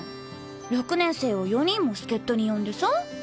６年生を４人も助っ人に呼んでさ。